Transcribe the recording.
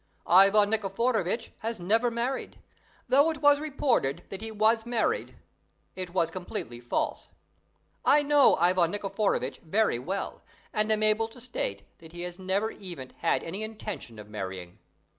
Ivan Nikiforovitch has never married. Although it was reported that he was married it was completely false. I know Ivan Nikiforovitch very well, and am able to state that he never even had any intention of marrying.